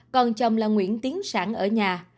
còn chồng là nguyễn tiến sản ở nhà